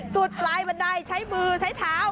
จุดปลายบันไดใช้มือใช้เท้า